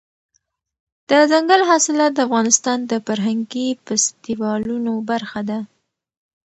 دځنګل حاصلات د افغانستان د فرهنګي فستیوالونو برخه ده.